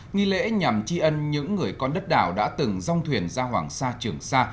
nghi lễ nhằm chi ân những người con đất đảo đã từng rong thuyền ra hoàng sa trường xa